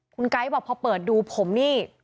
คุณไก๊บอกพอเปิดดูผมนี่